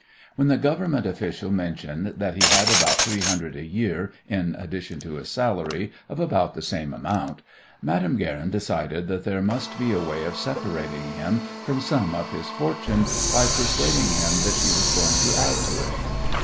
When the Government official mentioned that he had about three hundred a year in addition to his salary of about the same amount, Madame Guerin decided that there must be a way of separating him from some of his fortune by persuading him that she was going to add to it.